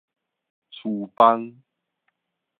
趨枋